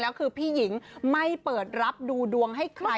แล้วคือพี่หญิงไม่เปิดรับดูดวงให้ใคร